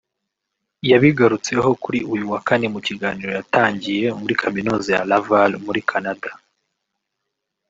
yabigarutseho kuri uyu wa Kane mu kiganiro yatangiye muri Kaminuza ya Laval muri Canada